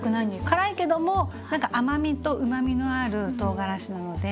辛いけども何か甘みとうまみのあるとうがらしなので。